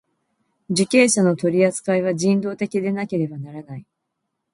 受刑者の取扱いは人道的でなければならない。